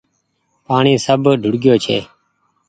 پآڻيٚ سب ڌوڙگيو ڇي